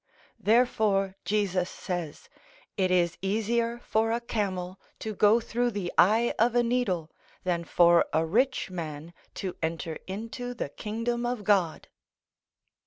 Therefore Jesus says: "It is easier for a camel to go through the eye of a needle, than for a rich man to enter into the kingdom of God."